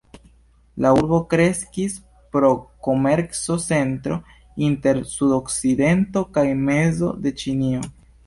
La urbo kreskis pro komerco-centro inter sudokcidento kaj mezo de Ĉinio.